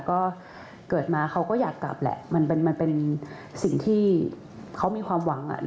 ก็เกิดมาเขาก็อยากกลับแหละมันเป็นสิ่งที่เขามีความหวังอ่ะ